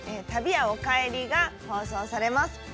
「旅屋おかえり」が放送されます。